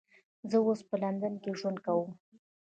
زه اوس په لندن کې ژوند کوم